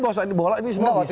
bawasan bola ini semua bisa